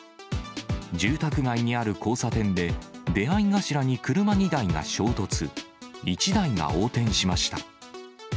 住宅街にある交差点で、出合い頭に車２台が衝突、１台が横転しました。